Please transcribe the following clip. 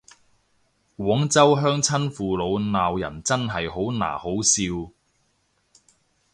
廣州鄉親父老鬧人真係好嗱好笑